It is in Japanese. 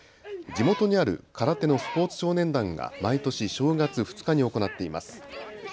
地元にある空手のスポーツ少年団が毎年、正月２日に行っています。